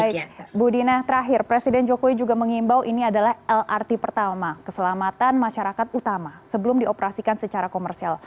baik bu dina terakhir presiden jokowi juga mengimbau ini adalah lrt pertama keselamatan masyarakat utama sebelum dioperasikan secara komersial